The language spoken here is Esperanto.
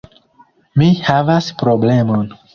Mi havas problemon.